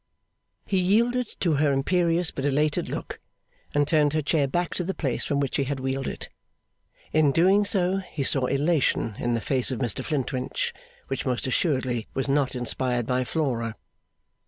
He yielded to her imperious but elated look, and turned her chair back to the place from which he had wheeled it. In doing so he saw elation in the face of Mr Flintwinch, which most assuredly was not inspired by Flora.